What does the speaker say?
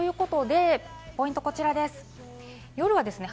ポイントはこちらです。